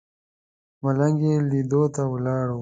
ملنګ یې لیدو ته ولاړ و.